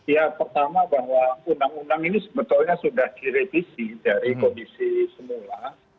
ya pertama bahwa undang undang ini sebetulnya sudah direvisi dari komisi semula